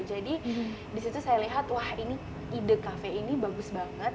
jadi di situ saya lihat wah ini ide cafe ini bagus banget